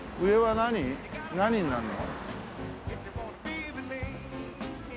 何になるの？